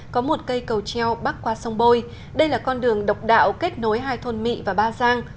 có một cây cầu treo bắc qua sông bôi đây là con đường độc đạo kết nối hai thôn mỹ và ba giang